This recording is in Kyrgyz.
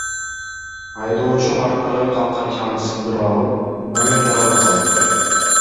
Айдоочум арттагы калканчаны сындырып алып, номерди алып салыптыр.